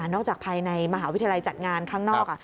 จากภายในมหาวิทยาลัยจัดงานข้างนอก